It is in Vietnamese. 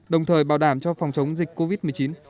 đồng thời bảo đảm cho phòng chống dịch covid một mươi chín